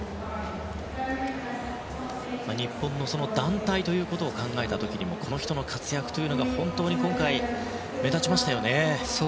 日本の団体ということを考えた時にもこの人の活躍というのが本当に今回、目立ちましたよね。